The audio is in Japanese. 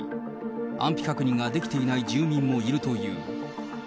安否確認ができていない住民もいるという。